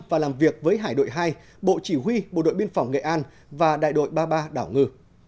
và làm việc với hải đội hai bộ chỉ huy bộ đội biên phòng nghệ an và đại đội ba mươi ba đảo ngư